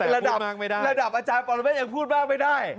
ระดับระดับอาจารย์ปรเมฆยังพูดมากไม่ได้